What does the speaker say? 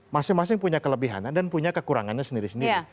masing masing punya kelebihannya dan punya kekurangannya sendiri sendiri